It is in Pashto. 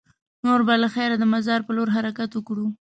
نور به له خیره د مزار په لور حرکت وکړو.